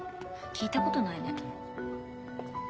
聞いた事ないね。